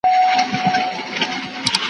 سولاویسي د ونو د خوندي کولو ځای دی.